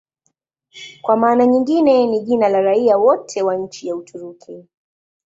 Kwa maana nyingine ni jina la raia wote wa nchi ya Uturuki.